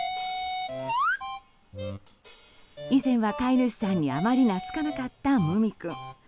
以前は飼い主さんにあまりなつかなかった、むみ君。